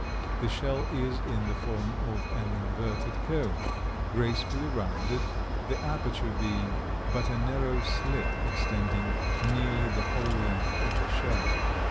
The shell is in the form of an inverted cone, gracefully rounded, the aperture being but a narrow slit extending nearly the whole length of the shell.